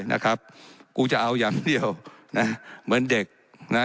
นะครับกูจะเอาอย่างเดียวนะเหมือนเด็กนะ